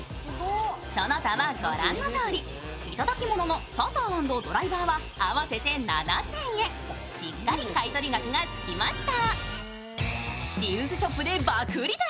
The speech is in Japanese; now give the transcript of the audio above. その他はご覧のとおりいただきもののパター＆ドライバーは合わせて７０００円しっかり買取額がつきました。